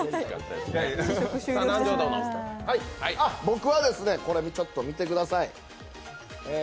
僕はこれちょっと見てください。